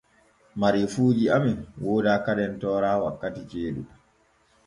Mareefuuji amen wooda kadem toora wakkiti jeeɗu.